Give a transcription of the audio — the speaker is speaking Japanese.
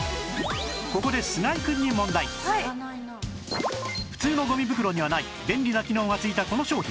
ここで普通のゴミ袋にはない便利な機能がついたこの商品